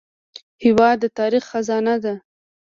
هېواد د تاریخ خزانه ده.